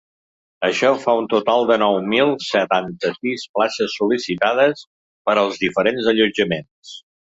Això fa un total de nou mil setanta-sis places sol·licitades per als diferents allotjaments.